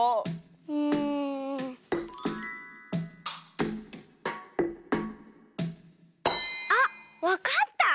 うん。あっわかった！